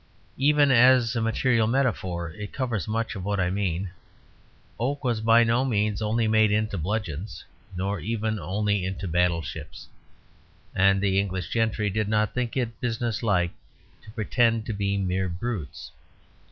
Even as a material metaphor it covers much of what I mean; oak was by no means only made into bludgeons, nor even only into battle ships; and the English gentry did not think it business like to pretend to be mere brutes.